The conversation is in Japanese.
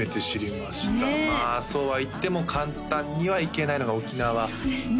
まあそうはいっても簡単には行けないのが沖縄そうですね